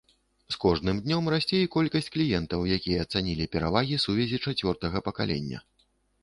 З кожным днём расце і колькасць кліентаў, якія ацанілі перавагі сувязі чацвёртага пакалення.